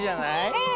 うん。